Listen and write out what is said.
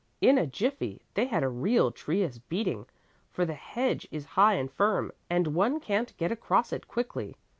In a jiffy they had a real Trius beating, for the hedge is high and firm and one can't get across it quickly.